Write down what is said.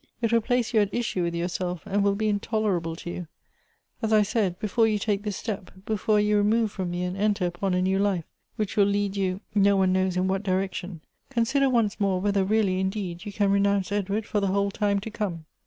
It will place you at issue with yourself and will be intolerable to you. As I said, before you take this step, before you remove from me, and enter upon a new life, which will lead you no Elective Affinities. 295 one knows in what direction, consider once inoi e whether really, indeed, you can renounce Edward for the whole time to come.